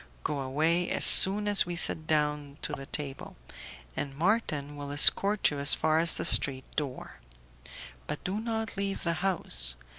Go away as soon as we sit down to table, and Marton will escort you as far as the street door, but do not leave the house.